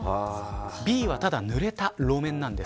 Ｂは、ただぬれた路面なんです。